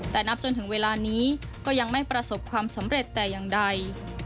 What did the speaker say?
แต่นับจนถึงเวลานี้ก็ยังไม่ประสบความสำเร็จแต่อย่างใด